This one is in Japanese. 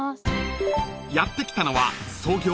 ［やって来たのは創業